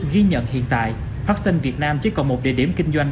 ghi nhận hiện tại batson việt nam chỉ còn một địa điểm kinh doanh